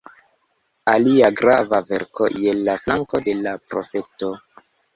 Alia grava verko: "Je la flanko de la profeto.